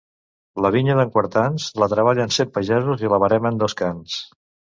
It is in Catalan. La vinya d'en Quartans: la treballen cent pagesos i la veremen dos cans.